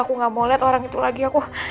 aku gak mau lihat orang itu lagi aku